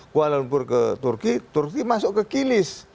kuala lumpur ke turki turki masuk ke kilis